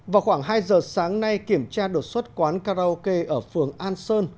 vào khoảng hai giờ sáng nay kiểm tra đột xuất quán karaoke ở phường an sơn